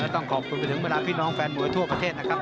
ต้องขอบคุณไปถึงเวลาพี่น้องแฟนมวยทั่วประเทศนะครับ